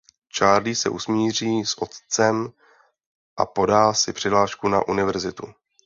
Charlie se usmíří s otcem a podá si přihlášku na univerzitu.